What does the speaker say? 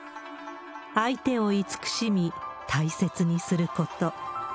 相手をいつくしみ、大切にすること。